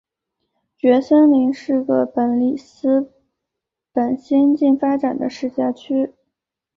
蕨森林是个布里斯本新近发展的市辖区。